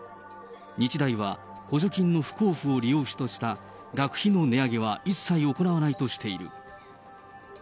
日大は補助金の不交付を理由とした学費の値上げは一切行わないとしている。